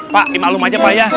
pak dimaklum aja pak ya